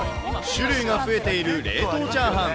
種類が増えている冷凍チャーハン。